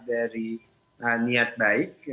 dari niat baik